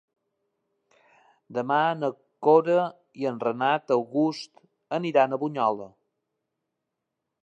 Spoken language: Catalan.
Demà na Cora i en Renat August aniran a Bunyola.